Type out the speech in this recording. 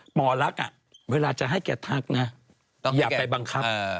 หมอลักษณ์เวลาจะให้แกทักนะอย่าไปบังคับ